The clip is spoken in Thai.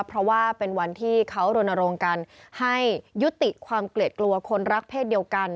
เพราะว่าเป็นวันที่เขารณรงค์กันให้ยุติความเกลียดกลัวคนรักเพศเดียวกัน